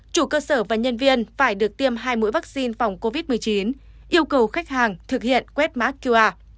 chủ cơ sở và nhân viên phải được tiêm hai mũi vaccine phòng covid một mươi chín yêu cầu khách hàng thực hiện quét mã qr